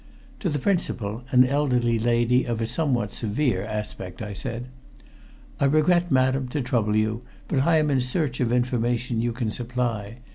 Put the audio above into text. To the principal, an elderly lady of a somewhat severe aspect, I said: "I regret, madam, to trouble you, but I am in search of information you can supply.